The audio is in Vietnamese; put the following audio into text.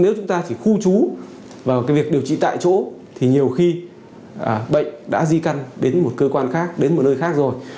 nếu chúng ta chỉ khu trú vào cái việc điều trị tại chỗ thì nhiều khi bệnh đã di căn đến một cơ quan khác đến một nơi khác rồi